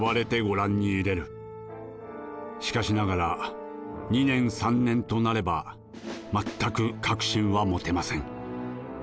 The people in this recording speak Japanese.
しかしながら２年３年となれば全く確信は持てません。